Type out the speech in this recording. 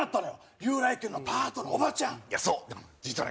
リュウライ軒のパートのおばちゃんいやそうでも実はね